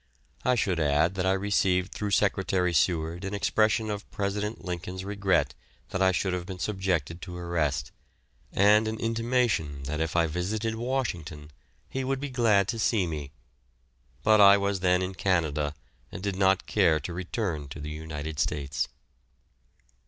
I should add that I received through Secretary Seward an expression of President Lincoln's regret that I should have been subjected to arrest, and an intimation that if I visited Washington he would be glad to see me, but I was then in Canada and did not care to return to the United States.